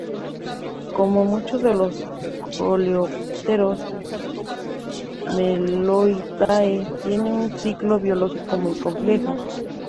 Como muchos de los coleópteros Meloidae tiene un ciclo biológico muy complejo.